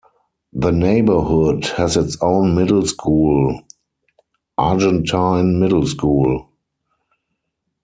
The neighborhood has its own middle school, Argentine Middle School.